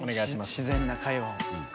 自然な会話を。